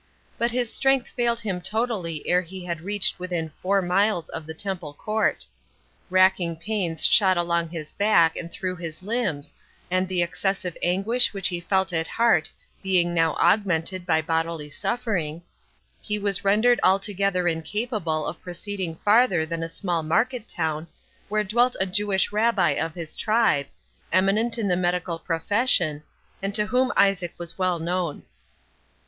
But his strength failed him totally ere he had reached within four miles of the Temple Court; racking pains shot along his back and through his limbs, and the excessive anguish which he felt at heart being now augmented by bodily suffering, he was rendered altogether incapable of proceeding farther than a small market town, were dwelt a Jewish Rabbi of his tribe, eminent in the medical profession, and to whom Isaac was well known.